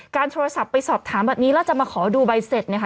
โทรศัพท์ไปสอบถามแบบนี้แล้วจะมาขอดูใบเสร็จนะคะ